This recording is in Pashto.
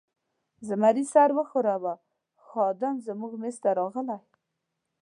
زمري سر و ښوراوه، خادم زموږ مېز ته راغلی.